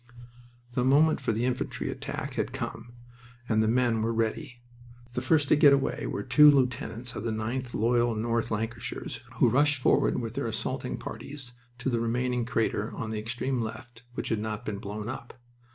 The moment for the infantry attack had come, and the men were ready. The first to get away were two lieutenants of the 9th Loyal North Lancashires, who rushed forward with their assaulting parties to the remaining crater on the extreme left, which had not been blown up.